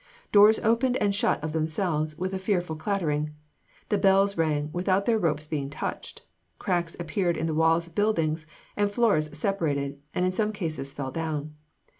Doors opened and shut of themselves with a fearful clattering. The bells rang without their ropes being touched. Cracks appeared in the walls of buildings, and floors separated and in some cases fell down.